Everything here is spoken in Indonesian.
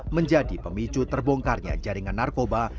menjadi pemicu terbongkarnya jaringan narkoba